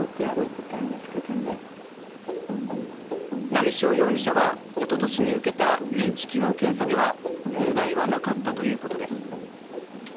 波汐容疑者は、おととしに受けた認知機能検査では問題はなかったということです。